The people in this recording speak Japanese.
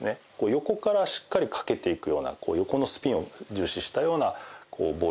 横からしっかりかけていくような横のスピンを重視したようなボールになっているなと。